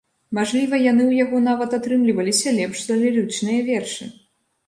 Мажліва, яны ў яго нават атрымліваліся лепш за лірычныя вершы.